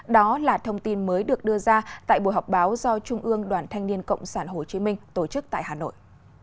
đó là thông tin mới được đưa ra tại buổi họp báo do trung ương đoàn thanh niên cộng sản hồ chí minh tổ chức tại hà nội